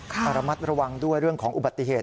ระมัดระวังด้วยเรื่องของอุบัติเหตุ